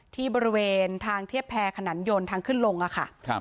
ที่บริเวณทางเทียบแพร่ขนานยนต์ทางขึ้นลงค่ะ